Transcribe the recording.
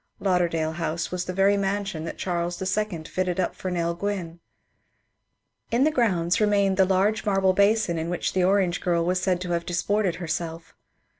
Lauderdale House was the very mansion that Charles U fitted up for Nell Gwynne. Li the grounds remained the large marble basin in which the orange girl was said to have disported herself.